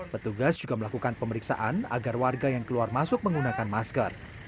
petugas juga melakukan pemeriksaan agar warga yang keluar masuk menggunakan masker